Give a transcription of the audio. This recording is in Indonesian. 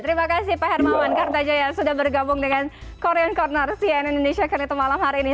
terima kasih pak hermawan kartajaya sudah bergabung dengan korean corner cnn indonesia connected malam hari ini